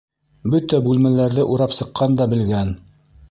Бөтә бүлмәләрҙе урап сыҡҡан да белгән.